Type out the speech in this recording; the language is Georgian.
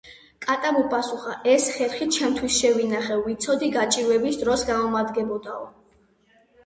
კატამ უპასუხა: ეს ხერხი ჩემთვის შევინახე, ვიცოდი გაჭირვების დროს გამომადგებოდაო.